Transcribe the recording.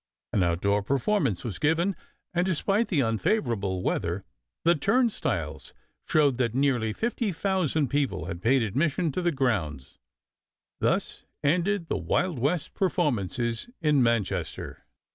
An outdoor performance was given, and despite the unfavorable weather the turn stiles showed that nearly 50,000 people had paid admission to the grounds. Thus ended the Wild West performances in Manchester.